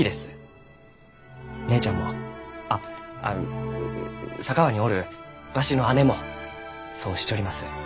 姉ちゃんもあっ佐川におるわしの姉もそうしちょります。